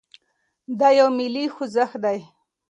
دا يو ملي خوځښت دی.